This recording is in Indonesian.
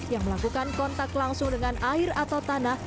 yang melakukan kontak langsung dengan air atau tanah